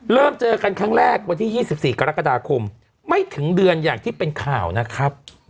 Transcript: เริ่มเจอกันครั้งแรกวันที่๒๔กรกฎาคมไม่ถึงเดือนอย่างที่เป็นข่าวนะครับ